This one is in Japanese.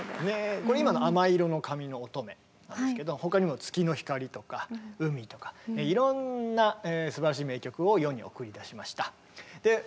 これ今の「亜麻色の髪のおとめ」なんですけど他にも「月の光」とか「海」とかいろんなすばらしい名曲を世に送り出しました。